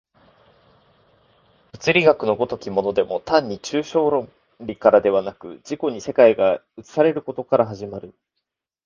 物理学の如きものでも単に抽象論理からではなく、自己に世界が映されることから始まる。